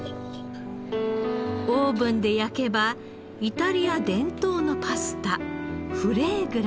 オーブンで焼けばイタリア伝統のパスタフレーグラに。